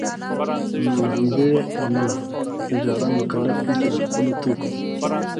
نوله همدې امله تجاران مکلف دی چي دخپلو توکو